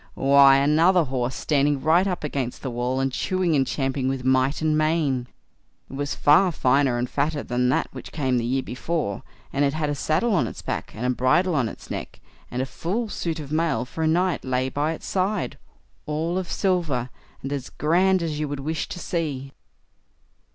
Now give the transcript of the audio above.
why, another horse standing right up against the wall, and chewing and champing with might and main. It was far finer and fatter than that which came the year before, and it had a saddle on its back, and a bridle on its neck, and a full suit of mail for a knight lay by its side, all of silver, and as grand as you would wish to see.